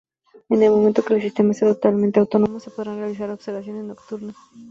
En el momento que el sistema sea totalmente autónomo, se podrán realizar observaciones nocturnas.